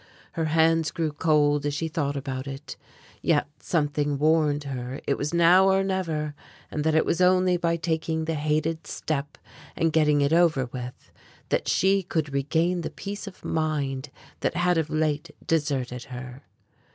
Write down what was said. Her hands grew cold as she thought about it. Yet something warned her it was now or never, and that it was only by taking the hated step and getting it over with, that she could regain the peace of mind that had of late deserted her.